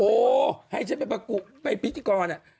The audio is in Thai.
โอ้ให้ฉันไปพิธีกร